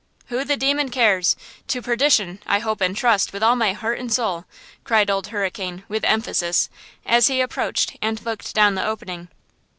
"Who the demon cares? To perdition. I hope and trust, with all my heart and soul!" cried Old Hurricane, with emphasis, as he approached and looked down the opening.